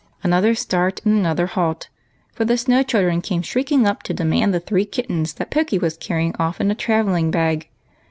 Another start, and another halt; for the Snow children came shrieking up to demand the three kittens that Pokey was coolly carrying off in a travelling bag.